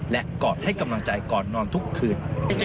และกอดให้กำลังใจก่อนนอนทุกคืน